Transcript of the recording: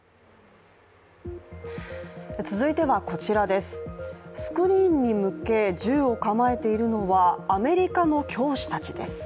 続いてはこちらです、スクリーンに向け銃を構えているのはアメリカの教師たちです。